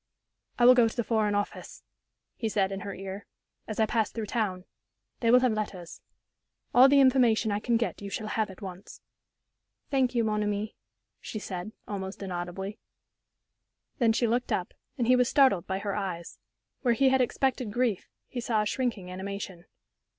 "I will go to the Foreign Office," he said, in her ear, "as I pass through town. They will have letters. All the information I can get you shall have at once." "Thank you, mon ami", she said, almost inaudibly. Then she looked up, and he was startled by her eyes. Where he had expected grief, he saw a shrinking animation.